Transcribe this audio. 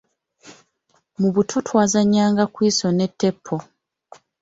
Mu buto twazannyanga kwiso ne ttepo.